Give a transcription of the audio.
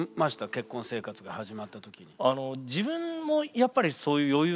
結婚生活が始まった時に。